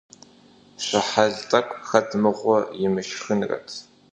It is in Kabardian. Щыхьэл тӀэкӀу хэт мыгъуэм имышхынрэт!